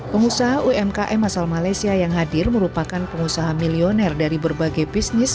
pengusaha umkm asal malaysia yang hadir merupakan pengusaha milioner dari berbagai bisnis